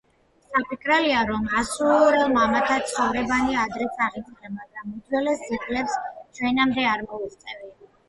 საფიქრებელია, რომ ასურელ მამათა ცხოვრებანი ადრეც აღიწერა, მაგრამ უძველეს ძეგლებს ჩვენამდე არ მოუღწევია.